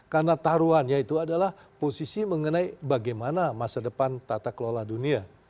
karena taruhannya itu adalah posisi mengenai bagaimana masa depan tata kelola dunia